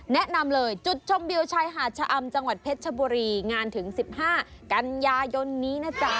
แนะนำเลยจุดชมวิวชายหาดชะอำจังหวัดเพชรชบุรีงานถึง๑๕กันยายนนี้นะจ๊ะ